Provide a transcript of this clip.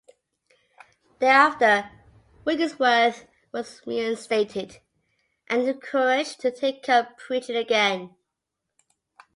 Thereafter, Wigglesworth was reinstated and encouraged to take up preaching again.